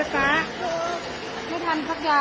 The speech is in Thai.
น้ำไหลแรงมากค่ะ